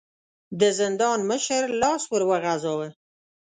د زندان مشر لاس ور وغځاوه.